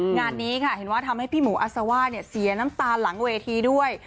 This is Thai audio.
งานนี้ที่คะทำให้พี่หมูอัศว่าเนี่ยเสียน้ำตาหลังเวทีด้วย